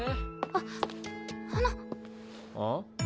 あっあの。